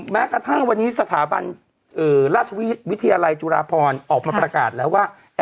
แม้กระทั่งวันนี้สถาบันราชวิทยาลัยจุฬาพรออกมาประกาศแล้วว่า